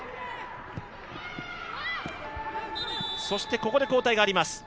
ここで交代があります。